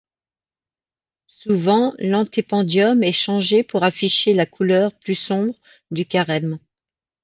Souvent l'antependium est changé pour afficher la couleur plus sombre du carême.